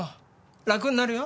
楽になるよ。